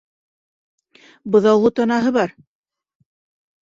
Быҙаулы танаһы бар.